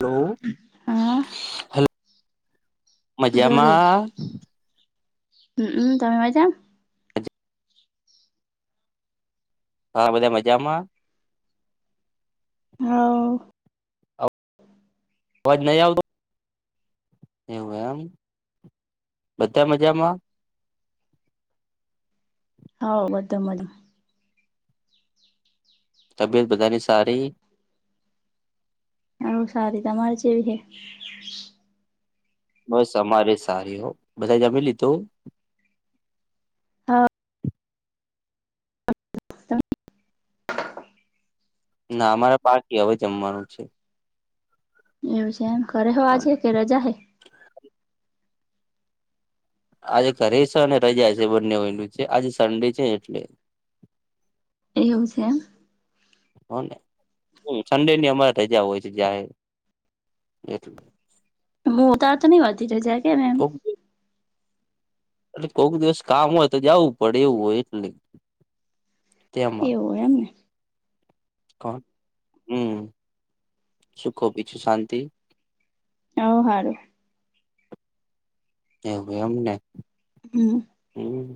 Hello હા hello બોલો મજામાં હ હમ તમે મજા મ હા બધા મજામાં. હા અવાજ નહી આવતો એવું એમ બધા મજામાં હા બમ બડમ તબીયત બધાની સારી હું સારી તમારે જેવી હે બસ અમારે સારી હો બધાએ જમી લીધું હા તમ ના અમારે પાકી હવે જમવાનું છે. એવું છે એમ ઘરે છો કે આજે કે રજા હૈ આજે ઘરે છે અને રજા છે બંને વેલું છે આજે સન્ડે છે એટલે. એવું છે. સન્ડે ની અમારે રજા હોય છે જાહેર એટલે હું તાર તો નઈ વાતી ર જ કે [inaudible] ઓ એટલે કોઈક દિવસ કામ હોય તો જવું પડે એવું હોય એટલે. તેમાં એવું એમ ને કોણ હમ સુખબી છું શાંતિ ઓ હારું એવું એમને હમ હમ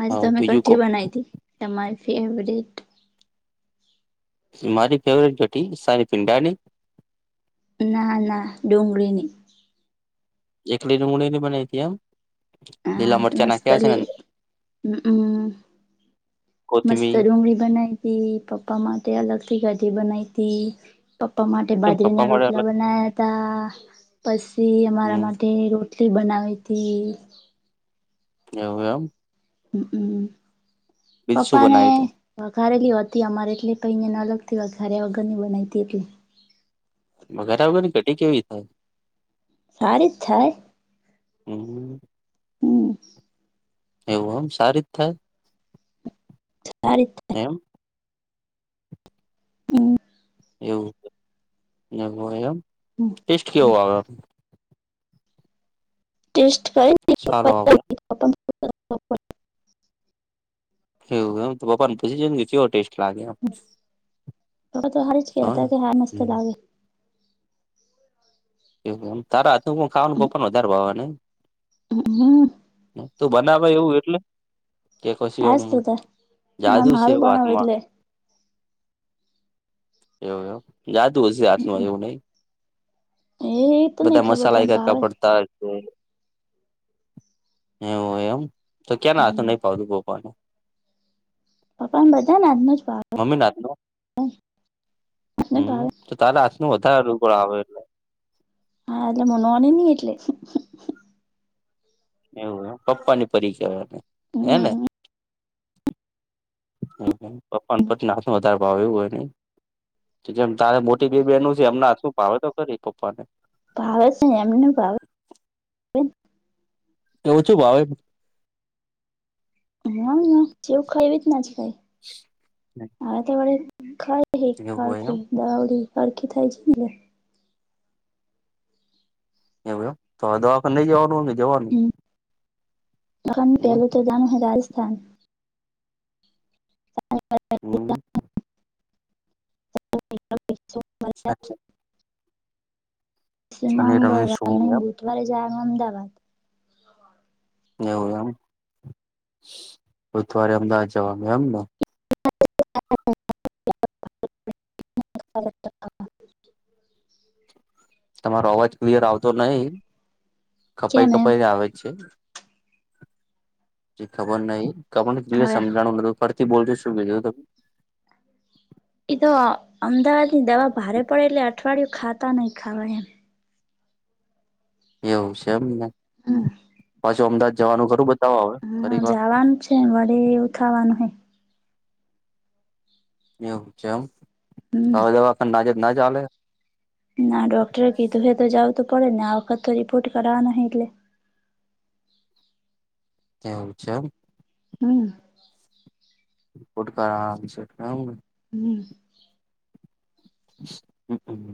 આજે અમે બીજું કો કઠી બનાવી હતી તમારી ફેવરેટ મારી ફેવરેટ જોટી સાની પિંડાની ના ના ડુંગળીની એકલી ડુંગળી બનાતી એમ લીલા મરચા નાખ્યા હશે ને હસ્તલી અંદર હ હમ મસ્ત કોથમીર ડુંગળી બનાવી એ પપ્પા માટે અલગથી કઢી બનાવી હતી પપ્પા માટે કેમ પપ્પા બાજરીના માટે રોટલા અલગ બનાયા હતાં પછી અમારા હમ માટે રોટલી બનાવી હતી. એવું એમ હમમ બીજું શું પપ્પા ને બનાવ્યું તું વઘારેલી હતી અમારે એટલી કઈને ના લગતી વઘારે્યા વગરની બનાવીતી એટલે. મ ઘરગર ને ઘડી કેવી થાય [unintelligible] સારી જ થાય હમ હમ એવું આમ સારી જ થાય. સારી જ થાય એમ હું એવું એમ હોય એમ ટેસ્ટ કેવો આવે ટેસ્ટ સારો આવે [inaudible] એમ હવ હ એમ તો પાપાને પી જ ગ હોટેસ્ટ. લાગે આમ તો હારી જ હા કેતા કે હ મસ્ત લાગે એવમ તા હાથનું ખાવાનું પપન વધારે ભાવવા ને. હમ. તો બનાવા એવું એટલે. કે કછી આજ એમ તો ત ના જાદુ છે. હારું એવ બનાવે હાથમાં એટલે એવ એવ જાતું હછી હાથમાં એવું નહી. એ. તો નઈ બધા ખબર મસાલા પણ એક કરકા ભાવે પડતા છે એવું એમ તો ક્યાં ના હથું હમ નહી પાવતું બને. પપ્પા ને બધા ને આજનો જ ભાવે મમ્મી નાથ ન હમ. ભાવે તો તારે આજ નું વધારે રૂગોળ આવે. હા એલે મનોને નની ગટલે. એવું પપ્પા ની પરીચવાને હે ને. હમ પપ્વાન પ ના હથમાં વધારે ભાવ એું હોય નહી. જેમ તારે મોટી બે બહેનો છે એમના શું ભાવે તો કરી પપ્પા ભાવે છે ને એમને ભાવે. એવુંછું ભાવે. હ જેવું ખાઈવી જ ના કઈ હવે તો વળ. ખાય હ ખ હોય ખું એમ દડી ફડખી થાય છે ને. એ તોવે દવાખા નઈ જવાનું હો કે જવાનું. ખડ હમ પહેલોું તો જામો હૈ રાજસ્થાન. હમ અ. શનિ રવિ મંગળવાર સોમ નહી એમ બુધવારે જ અમદાવાદ એવું એમ બુધવારે અમદાવાદ જવાનું એમને. તમારો અવાજ ક્લિયર આવતો નહીિ કેમ કપાઈ એમ કપાઈ આવે જ છે. ખબર નહિ આપણને ક હવે સમજાણું નતું ફરથી બોલજ શું કીધું ત એ તો અમદાવાદ ની દવા ભારે પડે એટલે અઠવાડિયું ખાતા નહીિ ખાવા એમ. એવું છે એમને. હમ. પાછું અમદાદવાનું ખર. હમ જવાનું છે વડે એવું થાવાનું. એવું છે એમ હમ હવા દવાખ નાજત ના ચાલે. ના ડોક્ટર કે દુ તો જાાવ તો પડેને આ કા તો રિપોર્ટ કરાવવા નઈલે. ત્યાંવ છે. હમ. ફોટકાર આરામ છે એ. હમ.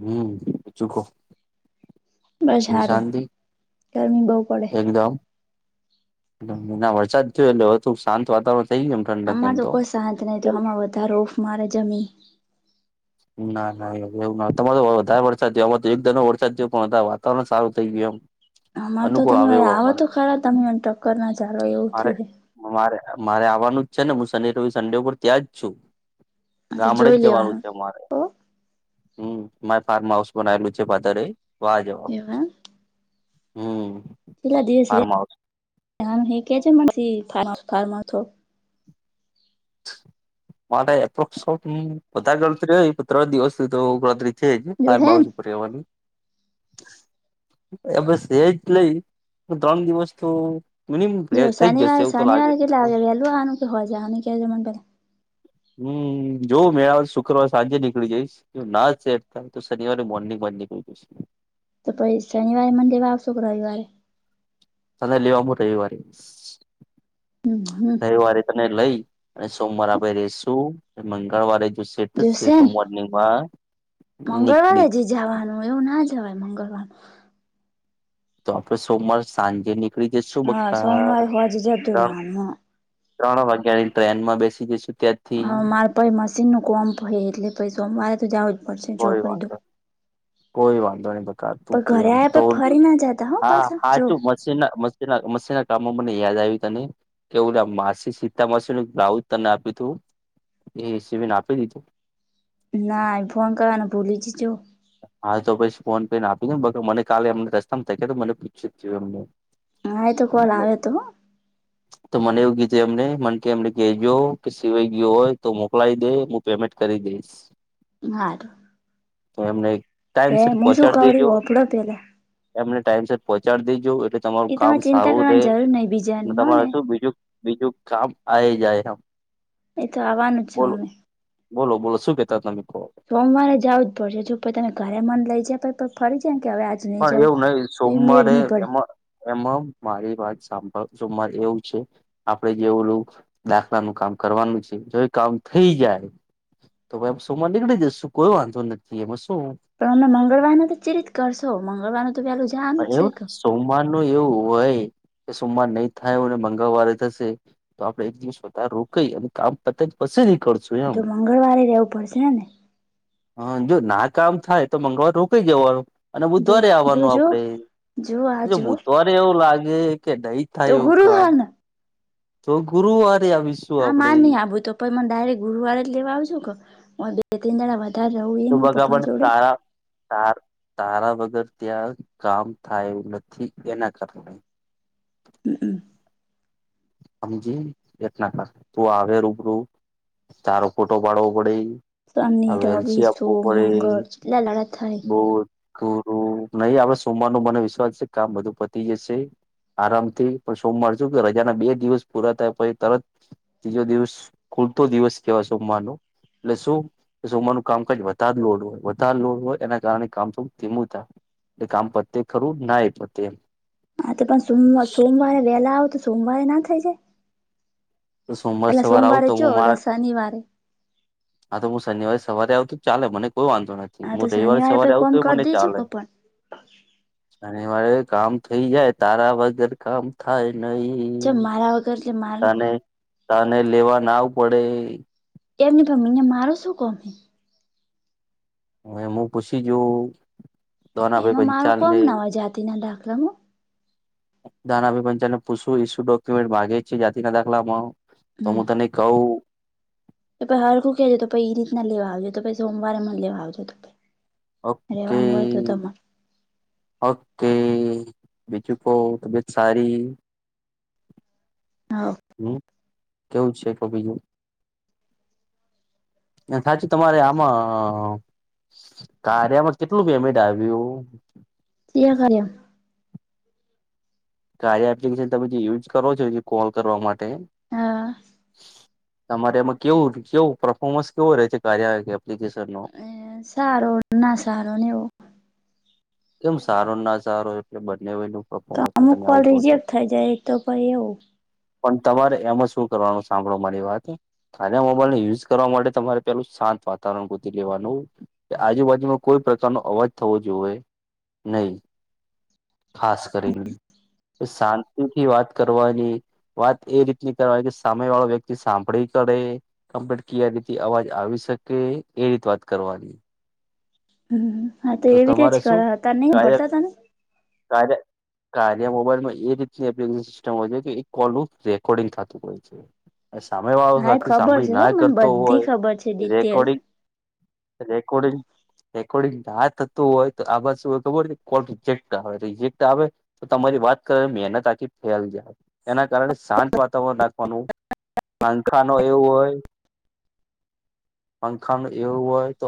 હમ ચૂકો. બસ વિ સારું શાંતિ ગરમી બહુ પડે એકદમ. ના વરસાદ થયો એટલેધું શાંત વાતાવરણ થઈ ગયમ. અમાર તો કોઈ શાંત નહ આમાં વધારે ઓફ મારે જમી. ના ના એવવ તમા તો વધારે વરસાદ થયો અમા તો એક ધા નો વરસાદ થયો પણ વાતાવરણ સારું થઈ ગયું એમ. અમારે તો અનુકૂળ આવે તમેવે એવું આવો અમારે તો ખરા તમે ટક્કર ના ચાલો એવું મારે થયું. મારે મારે આવવાનું જ છે ને હું સડે રો સડે ઉપર ત્યાં જ છું. આ તો ગામડે જ જોઈ જવાનું લેવાનું છે મારે. ઓ હમ મારે ફાર્મ હાઉસ બનાયલું છે પાધરે વાહ જવાનું છે. એવા હમ. પલા દિવસ ફાર્મ હાઉસ કે છે મ ફ ફ્મા મારે એપ્રોક્સ બધા ગણતરી ત્રણ દિવસ તો ગણતરી છે જ જો બાર હે બઉસ ઉપર રહેવાની એ બસ એજ લઈ ત્રણ દિવસ તો મિનિમમ ર થઈ જ જશે એવું તો લાગે લ લ આનું કે હોયજાય અને ક કે જે બ પલા હમ જોવું મેળવ તો શુક્રવાર સાંજે નીકળી જઈશ જો ના ચેરતાય તો શનિવારે મોર્નિંગ બંધ નીકળ જશે તો પછી શનિવારે મને દેવા આવશો કે રવિવારે તજા લેવાનું રવિવારે હમ હમ રવિવારે તને લઈ અને સોમવાર આપે રશું મંગળવારે જો સેટ થશે જોશે તો ને મોર્નિંગમાં મંગળવારે નીકળી જ જવાનું એવું ના જવાય મંગળવાર તો આપડ સોમવાર સાંજે નીકળી જઈ શું હા બક્કા સોમવારે હોજ જતું રહેવાનું ત્રણ વાગ્યા ની ટ્રેન માં બેસી જઈશું ત્યાં હા મારે પ મશીન ન કોમ્પ હો એટલે પસ મારે તો જવું જ પડશે જો કોઈ કહી દઉ વાંધો કોઈ વાંધો નહી બકાર તું કેમ આયા તો પહી ફરી ના જતા હો હા પાછા હા જો મી મ મીનના કામો મને યાદ આવ્યું ત ને કેવું માસી સીતા માસીનુંું બ્લાઉઝ તને આપી તું એ સને આપી દીધું ના એ ફોન કરવાને ભૂલી જ છું હા તો પછી ફોન પે ને આપીને બર મને કાલે અમને રસ્તામાં થ ગ તો મને પૂછ્યું જ થયું એમને હા એ તો કોલ મને આવે તો [inaudible] તો મને એવું કીધું એમને મને કે એમને કહેજો કે સિવાય ગયો હોય તો મોકલાય દે પેમેન્ટ કરી દઈશ હાર તો એમને ટાઈમ સટ હું શું કઉ પહોંચાડી રી દેજો હોભળો પેલા એમને ટાઈમ સટ પહોંચાડી દેજો એટલે તમારું એ કામ તમારે ચિંતા સારું કરવાની રહેે જરૂર નહી અને બીજાની હો તમારે ને શું બીજું બીજું કામ આ જાય આમ એ તો આવવાનું જ છ અમે બોલો બોલો શું કેે સોમવારે જવું જ પડશેે જો પ તમે ઘરે મન લઇ જ પછ ફરી જમ કે હવે નહી પણ જવું એવું નહિ તો એ મેળ સોમવારે નહી પડે એમાં એમાં મારી વાત સાંભળવાર એવું છે આપડે જે ઓલું દાખલાનુંું કામ કરવાનું છે જો કામ થઈ જાય તો ભાઈ સોમર નીકળી જશું કોઈ વાંધો નથી એમાં શું પણ અમે મંગળવારને તો ચ રિત કરશો મંગળવાર તો પેલું જામ હ જ છે એવું કે સોમવાર નું એવું હોય કે સોમવાર નહી થાય અને મંગળવારે થશે તો આપડે એક દિવસ બધારે રોકાઈ અને કામ તત જ પછી નહી કરશું એમ તો મંગળવારે રહેવું પડશે ને હ જો ના કામ થાય તો મંગળવાર રોકાઈ જવાનું અને જો બુધવારે જો આવવાનું આપ જો જો આ આપ જો બુધવારે એવું લાગે કે નહી તો થાય એવું કામ ગુરુવાર ને તો ગુરુવારે આવીશ હા મા નહિ આવું તો પણ મને ડાયરેક્ટ ગુરુવારે જ લેવા આવ જો કે હ બે તીન દાડા વ તવધારે રહો એ મો પપ્પા જોડે તા તારા વગર ત્યાં કામ થાય એવું નથી એના કારણે હમ્મ હમ્મ હમજી એના કારણ તું આવે રૂબરૂું તારો ફોટો પાડવો પડે શનિ હવે રવિ એલસી આપવું સોમ પડે મંગળ કેટલા દાડા થાય બહુ ગુરું નહી આપડે સોમવાર નુ બનાય વિશ્વાસ છે કામ બધું પતી જશે આરામથી પણ સોમવાર સુ કે રજાના બે દિવસ પૂરા થાય પછી તરત ત્રીજો દિવસ ખુલતો દિવસ કેવાય સોમરનો એટલે શું સોમાનું કામકાજ વધાર લોડ હોય વધારે લોડ હોય એના કારણે કામ થોડ ધીમું થાય. એટલે કામ પતે ખરું ના એ પતે એમ. હા તો પણ સમ સોમવારે વહેલા આવ તો સોમવારે ના થઇ જાય. એમ સોમવાર એલા સવારે આવું સોમવારે તો ચો હું મારા શનિવારે હા તો હું શનિવારે સવારે આવતો ચાલે મને કોઈ વાંધો નથી હા તો હું રવિવારે શનિવારે પે સવારે આવુ તો કોમ એ કરી મને દેજો ચાલે. કે પણ શનિવારે કામ થઈ જાય તારા વગર કામ થાય નહી કેમ મારા વગર કે મારું તને તને લેવા ના આવુ પડે એમની પ અહીંયા મારો શું કોમ- એમ હું પૂછી જો દાનાભાઈ એમાં મારો પંચાલ કોમ ને ના હોય જાતિ ના દાખલામાં [unintelligible] પંચાલ ન પુસવુ ઈ શું ડોક્યુમેન્ટ માગે છે જાતિ ના દાખલામાં તો હું તને કઉ. કે પઈ હળખું કેજો તો પછ ઈ રીતના લેવા આવજે તો પછ સોમવારે એમાં લેવા આવજો તો ભાઈ ઓકે રેવાનું હોય તો તમાર ઓકે બીજું કો તબિયત સારી. હા હમ્મ કેવું છે તો બીજું સાચું તમારે આમાં કાર્યામાં કેટલું પેમેન્ટ આવ્યું. કિયો કર્યો કાર્ય એપ્લિકેશન તમે જે યુઝ કરો છો કોલ કરવા માટે હા તમારે એમાં કેવું કેવું પરફોર્મન્સ કેવો રહે છે કાર્ય એપ્લિકેશન નો હ સારો ના સારો નેવ એમ સારો ના સારો એટલે બને હોયનું. તો આમુક કોલ રિઝેક થઈ જાય એક તો પહી એવું પણ તમારે એમાં શું કરવાનું સાંભળો મારી વાત અને મોબાઈલને યુઝ કરવા માટે તમારે પેલું શાંત વાતાવરણ ગોતિ લેવાનું. કે આજુબાજુમાં કોઈ પ્રકાર નો અવાજ થવો જોઈએ નહી. ખાસ કરીને શાંતિથી વાત કરવાની વાત એ રીતની કરવાય કે સામે વાળો વ્યક્તિ સાંભળી કરે કમ્પ્ટ કે ની રીતે અવાજ આવી શકે એ રીત વાત કરવાની. હમ્મ હા તો એવી રીતે જ કર હતા નહી [unintelligible] ભરતા ત ને કર્યા - કાર્ય મોબાઈલમાં એ રીતની એપ્લિકેશન સિસ્ટમ હોય છે કે એક કોલ રેકોર્ડિંગ થતું હોય છે. સામે વાળો હા એ સાથે ખબર સાંભળી છે હો ના મને કરતો બધી ખબર છે હોય ડિટેલ રેકોર્ડિંગ રેકોર્ડિંગ રેકોર્ડિંગ થાત તો હોય તો આમા શુ હોય ખબર હો કોલ રજેક્ટ આવે રિજેક્ટ આવે. તો તમારી વાત કરો મહેનત આખી ફેલ જાય એના કારણે શાંત વાતાવરણ રાખવાનું પંખા નો એવું હોય પંખા ન એવું હોય તો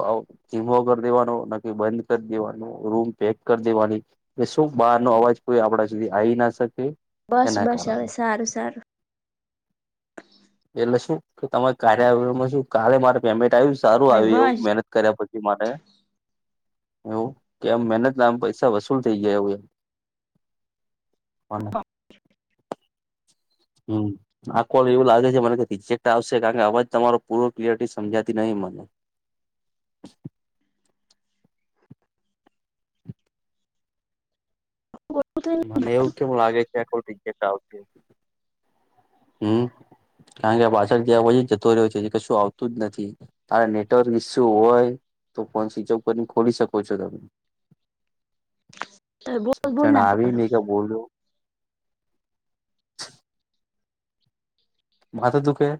ધીમો કરી દેવાનું ન બંધ કરી દેવા રૂમ પેક કરી દેવાની શું બહાર નો અવાજ કોઈ આપડા સુધી આવી ના શકે બસ એના બસ હવે કારણે સારું સારું એટલે શું કે તમાર કાર્યમાં શું કાલે મારે પેમેન્ટ આવ્યું સારું હવે આવી એવું બસ મહેનત કર્યા પછી મને એવું કે આમ મહેનત ના આમ પૈસા વસૂલ થઈ ગયા એવું એમ હા હમ આ કોલ એવું લાગે છે મને રિજેક્ટ આવશે કારણ કે અવાજ તમારો પૂરો ક્લયરિટી સમજાતી નહીં મને [inaudible] બ થ [inaudible] મને એવું કેમ લાગે છે આખ જતા આવતી હમ [unintelligible] કારણ કે આ પાછળ જયા પછી જતો રહ્યો છે જે કશું આવતું જ નથી. તારે નેટવર્ક ઈસ્યુ હોય તો ફોન સ્વીચ ઓફ કરી ને ખોલી શકો છો તમે [inaudible] બોલ બોલ ના કંઈ કરો નય તો બોલ માથુ દુખે છે?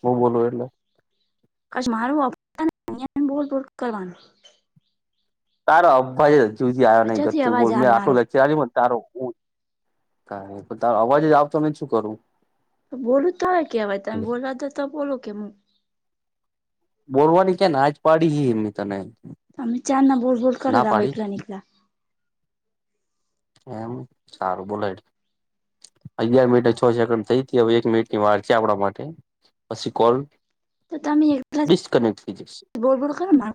હું બોલું એટલે કજ મારું બોલ બોલ કરવાનું તાર અભજે જદી આ નઈ કર પછીથી તું બ અવાજ મ આ મારો આટું લાગ ત્યારે મ તારો હું ક તારો અવાજ જ આવતો નય તો શું કરું? બોલું તોય કેવાય તમે બોલા દો તો બોલો કે હું બોલવાની ક્યાં ના જ પાડી એ તને તો તમે કયરના બોલ બોલ કર ના આવો પાડી એકકલા નીકલા એમ સારું બોલાય અગિયાર મિનટ ને છ સેકન્ડ થઈ હવે એક મિનિટ ની વાર છે આપણા માટે પછી કોલ તો તોમે એકલા ડિસ્કનેક્ટ થઈ જશે બોલબોલ કર મા